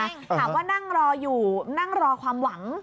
ถามว่านั่งรออยู่นั่งรอความหวัง